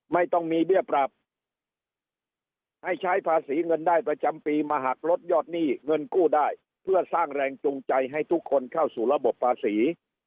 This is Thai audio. ไม่ต้องมีเบี้ยปรับให้ใช้ภาษีเงินได้ประจำปีมาหักลดยอดหนี้เงินกู้ได้เพื่อสร้างแรงจูงใจให้ทุกคนเข้าสู่ระบบภาษี